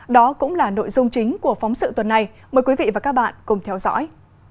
đó cũng là nội dung chính của phóng sự tuần này mời quý vị và các bạn cùng theo dõi